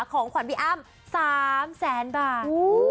ของขวัญพี่อ้าม๓๐๐๐๐๐บาท